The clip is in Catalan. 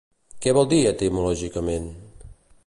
Què vol dir etimològicament?